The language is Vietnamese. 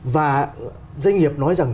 và doanh nghiệp nói rằng